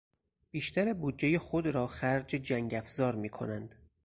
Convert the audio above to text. بیشتر بودجهی خود را خرج جنگ افزار میکنند.